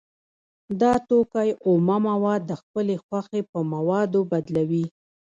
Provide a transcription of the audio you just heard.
دا توکی اومه مواد د خپلې خوښې په موادو بدلوي